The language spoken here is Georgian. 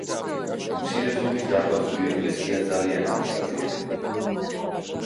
მცირე ზომის დარბაზული ეკლესია ძალიან არის დაზიანებული.